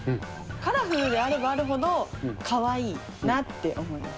カラフルであればあるほどかわいいなって思います。